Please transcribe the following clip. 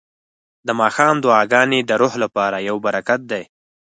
د ماښام دعاګانې د روح لپاره یو برکت دی.